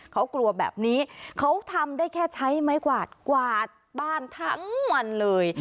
เขากลัวแบบนี้เขาทำได้แค่ใช้ไม้กวาดกวาดบ้านทั้งวันเลย